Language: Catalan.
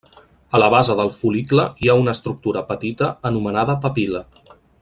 A la base del fol·licle hi ha una estructura petita anomenada papil·la.